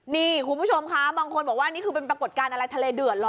นี่คุณผู้ชมคะบางคนบอกว่านี่คือเป็นปรากฏการณ์อะไรทะเลเดือดเหรอ